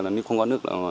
nếu không có nước